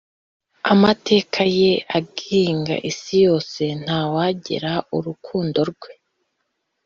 Amateka ye agenga isi yose, Nta wagera urukundo rwe,